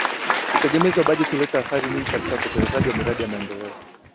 Utegemezi wa bajeti huleta athari nyingi katika utekelezaji wa miradi ya maendeleo